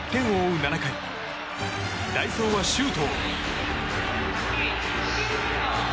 ７回代走は周東。